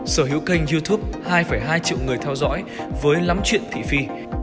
sở hữu kênh youtube hai hai triệu người theo dõi với lắm chuyện thị phi